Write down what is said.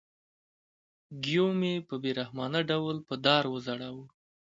ګیوم یې په بې رحمانه ډول په دار وځړاوه.